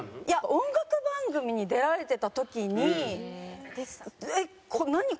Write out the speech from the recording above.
いや音楽番組に出られてた時にえっ何？